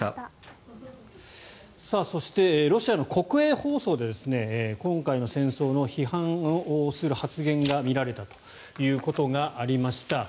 そしてロシアの国営放送で今回の戦争の批判をする発言が見られたということがありました。